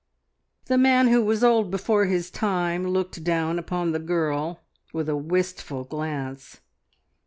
The man who was old before his time looked down upon the girl with a wistful glance.